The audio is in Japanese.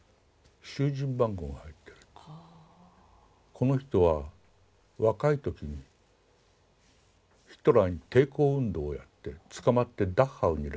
この人は若い時にヒトラーに抵抗運動をやって捕まってダッハウに入れられて